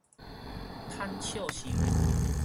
坦笑泅